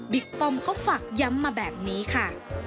ป้อมเขาฝากย้ำมาแบบนี้ค่ะ